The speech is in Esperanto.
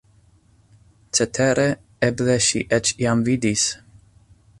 Cetere, eble ŝi eĉ jam vidis!